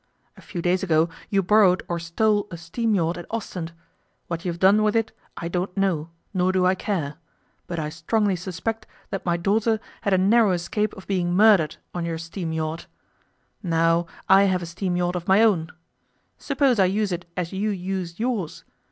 A few days ago you borrowed or stole a steam yacht at Ostend. What you have done with it I don't know, nor do I care. But I strongly suspect that my daughter had a narrow escape of being murdered on your steam yacht. Now I have a steam yacht of my own. Suppose I use it as you used yours!